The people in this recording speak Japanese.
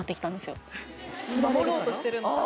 守ろうとしてるのかな？